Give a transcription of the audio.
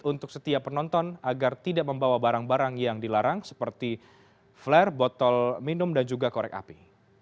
untuk setiap penonton agar tidak membawa barang barang yang dilarang seperti flare botol minum dan juga korek api